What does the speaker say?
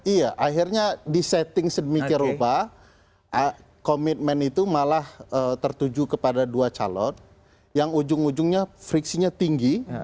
iya akhirnya di setting sedemikian rupa komitmen itu malah tertuju kepada dua calon yang ujung ujungnya friksinya tinggi